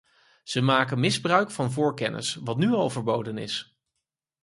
Ze maken misbruik van voorkennis, wat nu al verboden is.